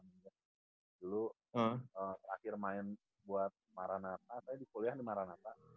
dulu terakhir main buat maranatha saya di kuliah di maranatha